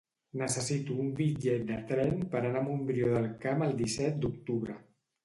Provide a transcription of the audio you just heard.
Necessito un bitllet de tren per anar a Montbrió del Camp el disset d'octubre.